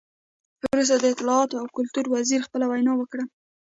وروسته د اطلاعاتو او کلتور وزیر خپله وینا وکړه.